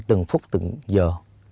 từng phút từng giờ